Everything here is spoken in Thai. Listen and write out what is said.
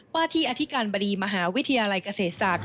ว่าที่อธิการบดีมหาวิทยาลัยเกษตรศาสตร์